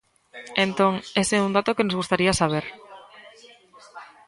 Entón, ese é un dato que nos gustaría saber.